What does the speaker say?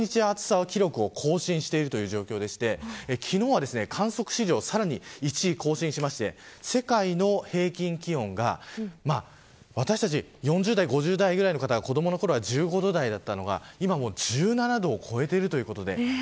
それも毎日、毎日暑さの記録を更新しているという状況で昨日は観測史上さらに１位を更新して世界の平均気温が私たち４０代、５０代ぐらいの方が子どものときは１５度台だったのが今は１７度を超えています。